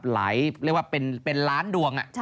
เรียกว่าเป็นล้านดวง